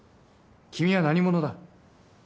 君は何者だ？